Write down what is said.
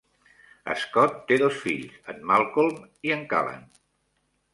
Scott té dos fills, en Malcolm i en Callan.